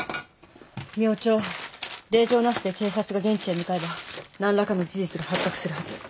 明朝令状なしで警察が現地へ向かえば何らかの事実が発覚するはず。